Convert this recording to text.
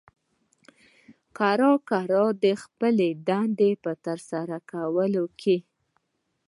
کرار کرار د خپلې دندې په ترسره کولو کې